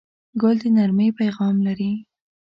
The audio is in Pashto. ګل د نرمۍ پیغام لري.